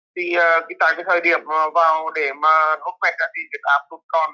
thì tại cái thời điểm vào để mà nút mẹt đã bị dịch áp